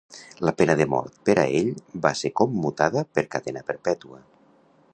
La pena de mort per a ell va ser commutada per cadena perpètua.